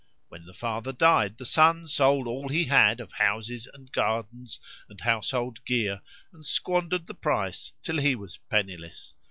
When the father died, the son sold all he had of houses and gardens and household gear, and squandered the price till he was penniless.